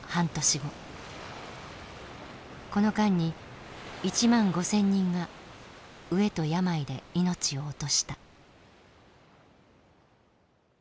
この間に１万５，０００人が飢えと病で命を落とした。